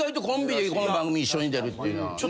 コンビでこの番組一緒に出るって。